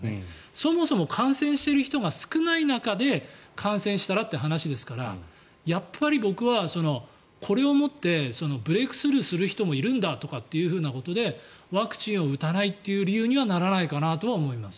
そもそも感染している人が少ない中で感染したらという話ですからやっぱり僕はこれをもってブレークスルーする人もいるんだということでワクチンを打たないという理由にはならないかなとは思います。